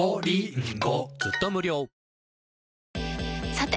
さて！